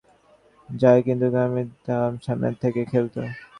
কাট খেলতে গেলে অন্যরা পিছিয়ে যায়, কিন্তু গম্ভীর সামনে থেকে খেলত।